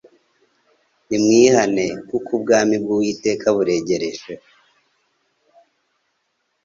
Nimwihane ; kuko ubwami bw'Uwiteka buregereje.